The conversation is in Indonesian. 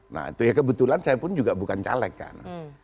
nah itu ya kebetulan saya pun juga bukan caleg kan